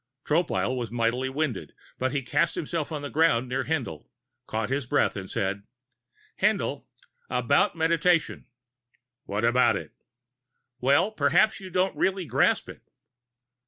Tropile was mightily winded, but he cast himself on the ground near Haendl, caught his breath and said: "Haendl about meditation." "What about it?" "Well, perhaps you don't really grasp it."